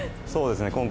そうですね